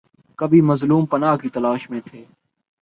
کبھی مظلوم پناہ کی تلاش میں تھے۔